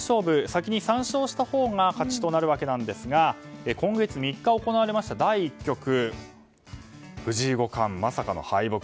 先に３勝したほうが勝ちとなるわけなんですが今月３日に行われました第１局、藤井五冠まさかの敗北。